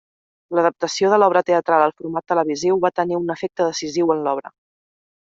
L'adaptació de l’obra teatral al format televisiu va tenir un efecte decisiu en l’obra.